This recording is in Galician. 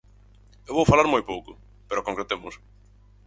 Eu vou falar moi pouco, pero concretemos.